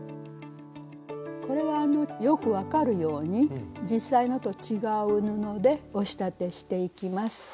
これはよく分かるように実際のと違う布でお仕立てしていきます。